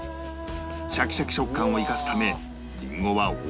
シャキシャキ食感を生かすためりんごは大きめにカットし